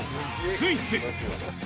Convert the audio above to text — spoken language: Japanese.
スイス。